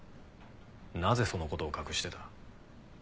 なぜその事を隠してた？